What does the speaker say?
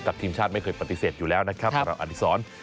กับทีมชาติไม่เคยปฏิเสธอยู่แล้วนะครับแต่เราอธิษฐรณ์